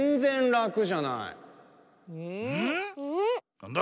なんだ？